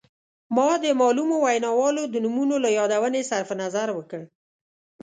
ما د معلومو ویناوالو د نومونو له یادونې صرف نظر وکړ.